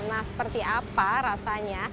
nah seperti apa rasanya